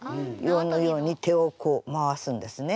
このように手をこう回すんですね。